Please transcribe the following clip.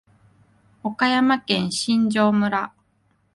岡山県新庄村